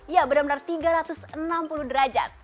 ya benar benar tiga ratus enam puluh derajat